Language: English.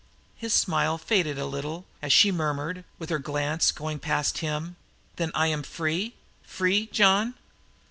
His smile faded a little, as she murmured, with her glance going past him: "Then I am free? Free, John?"